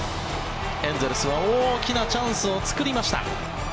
エンゼルスは大きなチャンスを作りました。